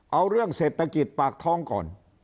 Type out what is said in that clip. เอาเรื่องเศรษฐกิจปากท้องก่อน